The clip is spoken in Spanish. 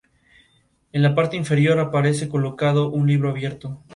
Se construyeron mostradores para la facturación directa del equipaje en la misma estación.